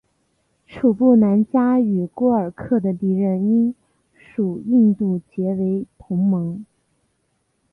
楚布南嘉与廓尔喀的敌人英属印度结为同盟。